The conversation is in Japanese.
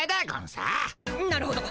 なるほど。